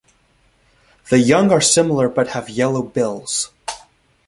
The young are similar but have yellow bills.